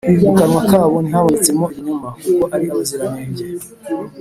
Mu kanwa kabo ntihabonetsemo ibinyoma, kuko ari abaziranenge.